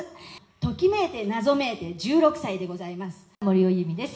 ときめいて、謎めいて１６歳でご森尾由美です。